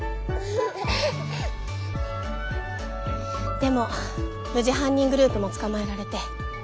でも無事犯人グループも捕まえられて被害者もゼロ。